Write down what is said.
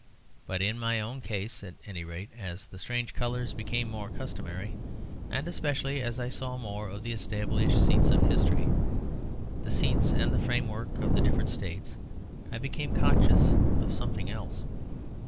But, in my own case at any rate, as the strange colours became more customary, and especially as I saw more of the established seats of history, the cities and the framework of the different states, I became conscious of something else.